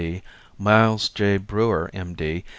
D., Miles J. Brewer, M. D.